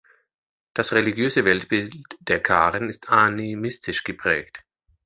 Das religiöse Weltbild der Karen ist animistisch geprägt.